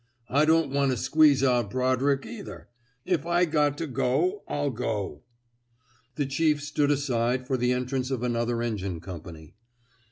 I don^t want to squeeze out Brodrick, either. If I got to go, I'll go.'' The chief stood aside for the entrance of another engine company.